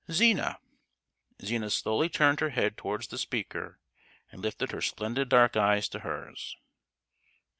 "Zina!" Zina slowly turned her head towards the speaker, and lifted her splendid dark eyes to hers.